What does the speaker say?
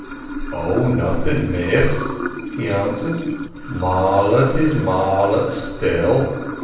"Oh—nothing, miss," he answered. "Marlott is Marlott still.